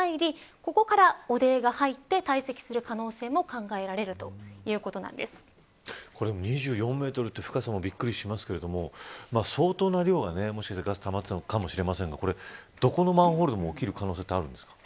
ここから汚泥が入って堆積する可能性も考えられる２４メートルという深さもびっくりしますが相当な量がガスがたまっていたかもしれませんがどこのマンホールでも起きる可能性はあるんですか。